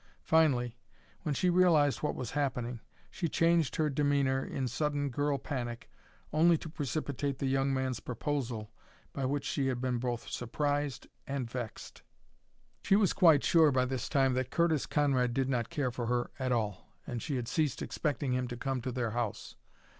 Finally, when she realized what was happening, she changed her demeanor in sudden girl panic, only to precipitate the young man's proposal, by which she had been both surprised and vexed. She was quite sure, by this time, that Curtis Conrad did not care for her at all, and she had ceased expecting him to come to their house.